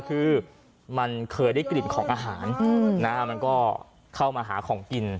คือมันเคยได้กลิ่นของอาหารมันก็เข้ามาหาของกิน